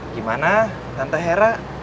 gimana tante hera